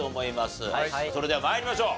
それでは参りましょう。